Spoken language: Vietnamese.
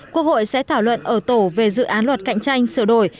quốc hội sẽ thảo luận ở tổ về dự án luật cạnh tranh sửa đổi